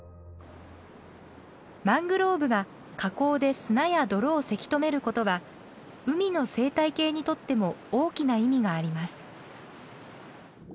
マングローブが河口で砂や泥をせき止めることは海の生態系にとっても大きな意味があります。